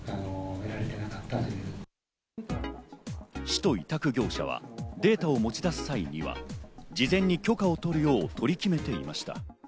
市と委託業者はデータを持ち出す際には、事前に許可を取るよう、取り決めていました。